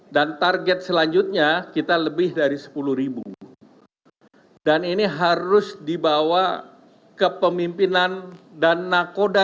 dan target selanjutnya kita lebih dari rp sepuluh dan ini harus dibawa ke pemimpinan dan nakoda